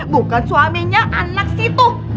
bukan suaminya anak situ